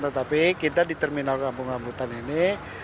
tetapi kita di terminal kampung rambutan ini